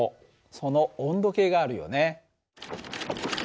その温度計があるよね。